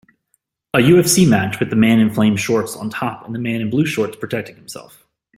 A UFC match with the man in flame shorts on top and the man in blue shorts protecting himself